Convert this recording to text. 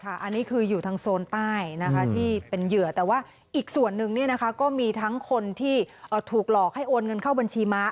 อันนี้คืออยู่ทางโซนใต้ที่เป็นเหยื่อแต่ว่าอีกส่วนหนึ่งก็มีทั้งคนที่ถูกหลอกให้โอนเงินเข้าบัญชีม้า